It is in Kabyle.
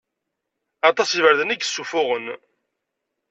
Aṭas n iberdan i yessuffuɣen.